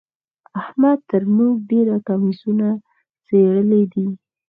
احمد تر موږ ډېر کميسونه څيرلي دي.